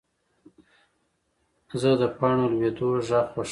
زه د پاڼو لوېدو غږ خوښوم.